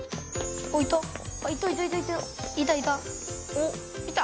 あっいた。